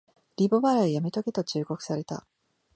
リボ払いはやめとけと忠告された